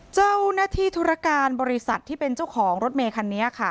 เจ้าหน้าที่ธุรการบริษัทที่เป็นเจ้าของรถเมคันนี้ค่ะ